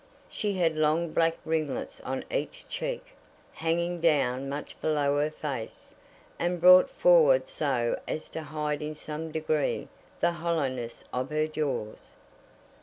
She had long black ringlets on each cheek, hanging down much below her face, and brought forward so as to hide in some degree the hollowness of her jaws.